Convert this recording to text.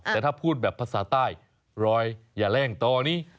แต่ถ้าพูดแบบภาษาใต้รอยอย่าแร่งตอนนี้